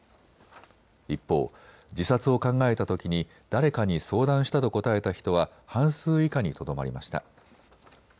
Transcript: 一方、自殺を考えたときに誰かに相談したと答えた人は半数以下にとどまりました。